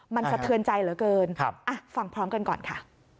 มันสะเทือนใจเหลือเกินฟังพร้อมกันก่อนค่ะ